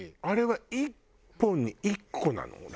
あれは１本に１個なの？